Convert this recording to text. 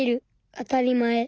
あたりまえ。